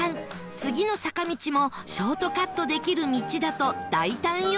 次の坂道もショートカットできる道だと大胆予想